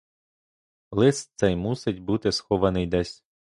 Лист цей мусить бути схований десь.